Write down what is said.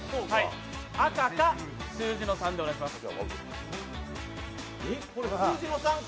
赤か数字の３でお願いします。